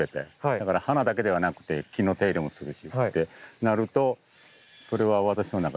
だから花だけではなくて木の手入れもするしってなるとそれは私の中ではもう庭師なので。